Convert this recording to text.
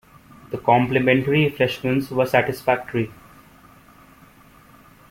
The complimentary refreshments were satisfactory.